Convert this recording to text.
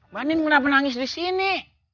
bandin kenapa nangis disini